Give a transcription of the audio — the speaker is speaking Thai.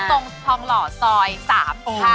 ทองหล่อซอย๓ค่ะ